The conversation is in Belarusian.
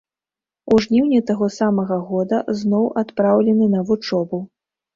У жніўні таго самага года зноў адпраўлены на вучобу.